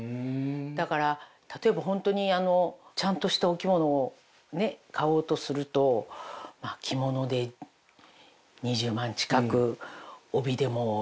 だから例えば本当にあのちゃんとしたお着物を買おうとすると着物で２０万近く帯でも１０万